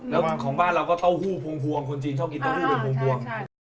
แล้วของบ้านเราก็เต้าหู้พวงคนจีนชอบกินเต้าหู้เป็นพวง